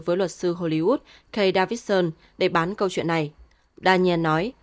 với luật sư hollywood kay davidson để bán câu chuyện này daniel nói